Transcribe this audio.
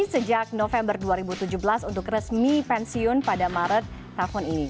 sejak november dua ribu tujuh belas untuk resmi pensiun pada maret tahun ini